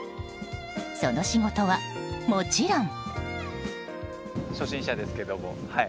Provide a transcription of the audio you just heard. その仕事はもちろん。